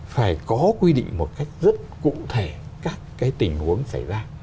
phải có quy định một cách rất cụ thể các cái tình huống xảy ra